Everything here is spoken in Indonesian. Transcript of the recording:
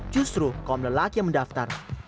justru kaum lelaki yang mendaftar